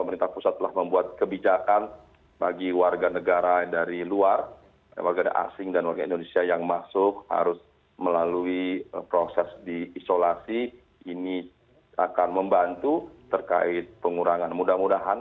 nah bagaimana menurut anda